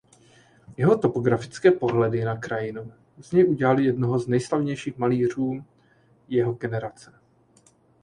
Jeho topografické pohledy na krajinu z něj udělaly jednoho z nejslavnějších malířů jeho generace.